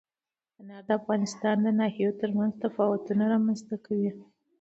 انار د افغانستان د ناحیو ترمنځ تفاوتونه رامنځ ته کوي.